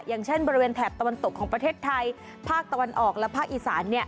อย่างเช่นบริเวณแถบตะวันตกของประเทศไทยภาคตะวันออกและภาคอีสาน